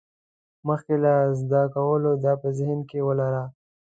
مخکې له زده کولو دا په ذهن کې ولرئ.